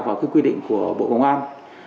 và quy định của bộ công an